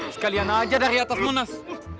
sekalian aja dari atasmu nas